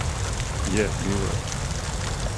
Је, било је.